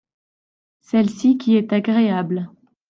celle-ci qui est agréable.